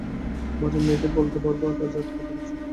বাড়ির মেয়েদের বলতে পারব কাজে আটকা পড়েছি।